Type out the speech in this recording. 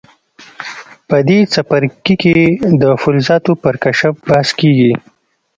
په دې څپرکي کې د فلزاتو پر کشف بحث کیږي.